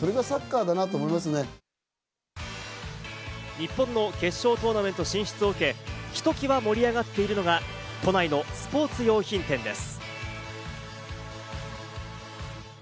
日本の決勝トーナメント進出を受け、ひときわ盛り上がっているのが都内のスポーツ用品店です。